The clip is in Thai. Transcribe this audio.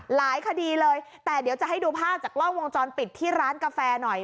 หลายคดีเลยแต่เดี๋ยวจะให้ดูภาพจากกล้องวงจรปิดที่ร้านกาแฟหน่อย